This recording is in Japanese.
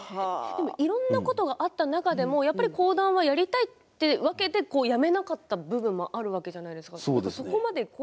いろんなことがあった中で講談はやりたいということでやめなかった部分もあるわけじゃないですか。